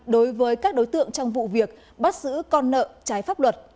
đối với các đối tượng trong vụ việc bắt giữ con nợ trái pháp luật